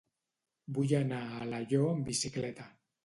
Vull anar a Alaior amb bicicleta.